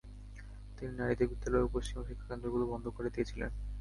তিনি নারীদের বিদ্যালয় ও পশ্চিমা শিক্ষকেন্দ্রগুলো বন্ধ করে দিয়েছিলেন।